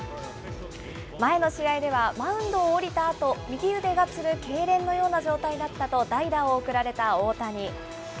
前の試合ではマウンドを降りたあと、右腕がつるけいれんのような状態だったと代打を送られた大谷。